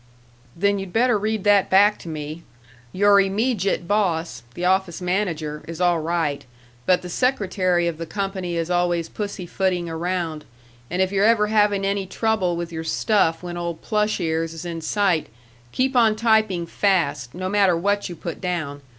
"Then you'd better read that back to me. Your immejit boss the office manager is all right, but the secretary of the company is always pussy footing around, and if you're ever having any trouble with your stuff when old plush ears is in sight, keep on typing fast, no matter what you put down.